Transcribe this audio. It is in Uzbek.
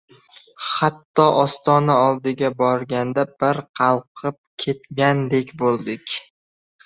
Hatto ostona oldiga borganda bir qalqib ketgandek bo‘ldi.